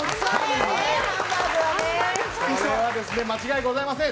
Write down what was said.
これは間違いございません。